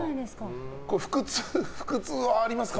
腹痛はありますか？